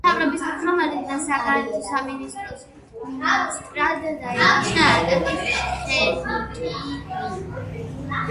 მთავრობის თავმჯდომარედ და საგარეო საქმეთა მინისტრად დაინიშნა აკაკი ჩხენკელი.